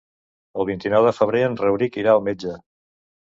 El vint-i-nou de febrer en Rauric irà al metge.